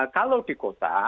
kalau di kota